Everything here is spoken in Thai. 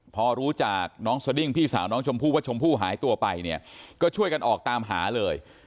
พอรู้จากน้องสดิ้งพี่สาวน้องชมพู่ว่าชมพู่หายตัวไปเนี่ยก็ช่วยกันออกตามหาเลย